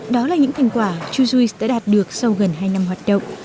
đó là những thành quả chujuice đã đạt được sau gần hai năm hoạt động